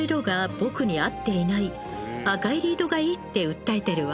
赤いリードがいいって訴えてるわ。